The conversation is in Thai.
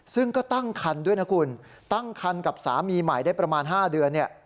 ซึ่งก็ตั้งคันด้วยนะคุณตั้งคันกับสามีใหม่ได้ประมาณ๕เดือนเนี่ย